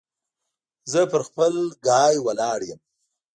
زه پر خپل ګای ولاړ يم.